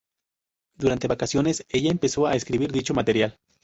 Durante vacaciones, ella empezó a escribir dicho material.